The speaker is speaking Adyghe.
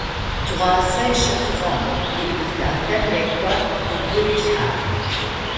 Тыгъуасэ ыщэфыгъэ бгырыпх дахэр непэ ыбг рилъхьагъ.